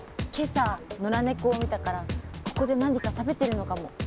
今朝野良猫を見たからここで何か食べてるのかも。